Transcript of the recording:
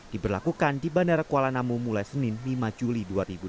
diberlakukan di bandara kuala namu mulai senin lima juli dua ribu dua puluh